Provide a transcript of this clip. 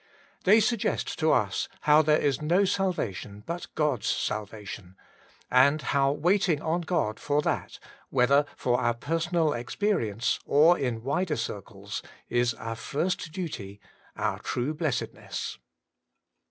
They suggest to us how there is no salvation but God's salvation, and how waiting on God for that, whether for oui personal experience, or in wider circles, is our ^st duty, our true blessedness.